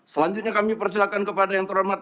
selanjutnya kami persilakan kepada yang terhormat